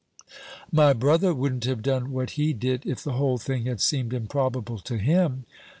"My brother wouldn't have done what he did if the whole thing had seemed improbable to him.